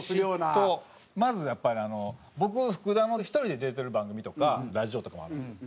まずやっぱりあの僕福田の１人で出てる番組とかラジオとかもあるんですよ。